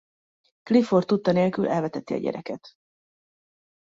Clifford tudta nélkül elveteti a gyereket.